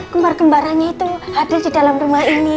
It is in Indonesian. kembar kembarannya itu hadir di dalam rumah ini